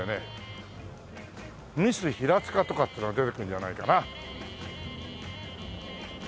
ミス平塚とかってのが出てくるんじゃないかな！